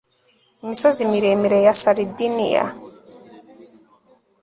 Imisozi miremire ya Sardinia